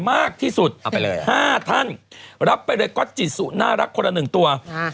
มากที่สุดเอาไปเลยห้าท่านรับไปเลยน่ารักคนละหนึ่งตัวอ่า